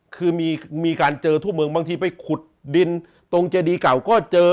คือมีการเจอทั่วเมืองบางทีไปขุดดินตรงเจดีเก่าก็เจอ